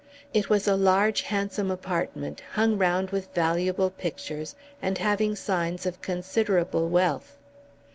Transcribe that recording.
It was a large handsome apartment, hung round with valuable pictures, and having signs of considerable wealth.